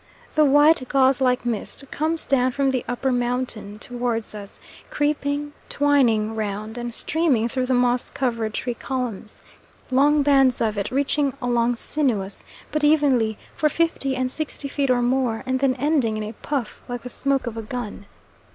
The white, gauze like mist comes down from the upper mountain towards us: creeping, twining round, and streaming through the moss covered tree columns long bands of it reaching along sinuous, but evenly, for fifty and sixty feet or more, and then ending in a puff like the smoke of a gun.